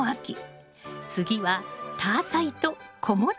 次はタアサイと子持ちタカナ。